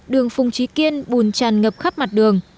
đường phùng trí kiên bùn tràn ngập khắp mặt đường